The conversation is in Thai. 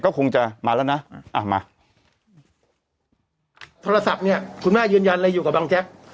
ก็คงจะมาแล้วนะอ่ามาโทรศัพท์เนี่ยคุณแม่ยืนยันเลยอยู่กับบังแจ๊ก